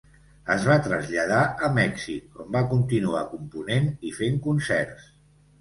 Es va traslladar a Mèxic, on va continuar component i fent concerts.